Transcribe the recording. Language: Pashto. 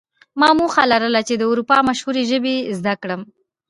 ما موخه لرله چې د اروپا مشهورې ژبې زده کړم